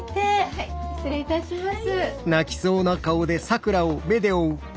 はい失礼いたします。